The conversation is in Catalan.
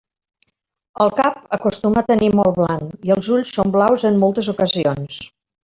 El cap acostuma a tenir molt blanc i els ulls són blaus en moltes ocasions.